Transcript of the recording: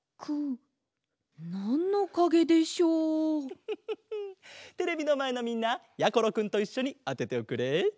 フフフフテレビのまえのみんなやころくんといっしょにあてておくれ。